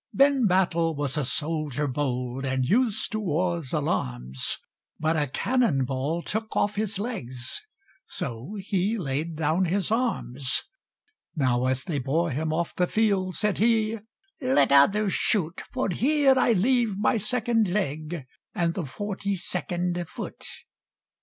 Ben Battle was a soldier bold, And used to war's alarms; But a cannon ball took off his legs, So he laid down his arms! Now as they bore him off the field, Said he, "Let others shoot, For here I leave my second leg, And the Forty second Foot!"